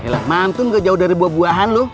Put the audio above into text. hah mantun gak jauh dari buah buahan lu